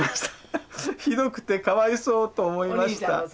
ひどくてかわいそうとおもいました」。